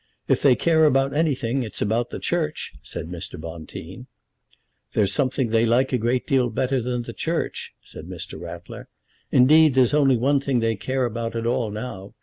"If they care about anything, it's about the Church," said Mr. Bonteen. "There's something they like a great deal better than the Church," said Mr. Ratler. "Indeed, there's only one thing they care about at all now.